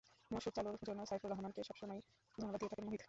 মূসক চালুর জন্য সাইফুর রহমানকে সব সময়ই ধন্যবাদ দিয়ে থাকেন মুহিত।